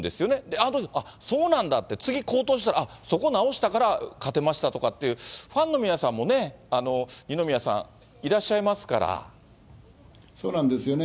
あとで、あっ、そうなんだって、次好投したら、あっ、そこ直したから勝てましたとかっていう、ファンの皆さんもね、二そうなんですよね。